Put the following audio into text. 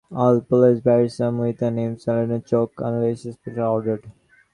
All police barrels come with an Improved Cylinder choke unless special ordered.